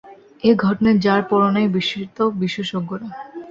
এ ঘটনায় যারপর নাই বিস্মিত বিশেষজ্ঞরা।